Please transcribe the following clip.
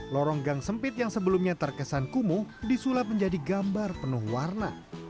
lorong gang sempit yang sebelumnya terkesan kumuh disulap menjadi gambar penuh warna